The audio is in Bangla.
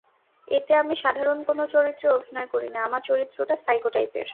এতে আমি সাধারণ কোনো চরিত্রে অভিনয় করিনি, আমার চরিত্রটা সাইকো টাইপের।